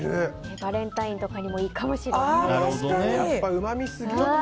バレンタインとかにもいいかもしれないです。